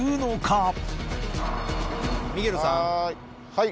はい。